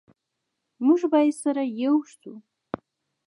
موږ باید سره ېو شو